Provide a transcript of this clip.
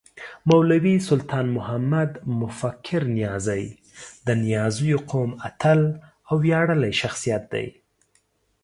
مولوي سلطان محمد مفکر نیازی د نیازيو قوم اتل او وياړلی شخصیت دی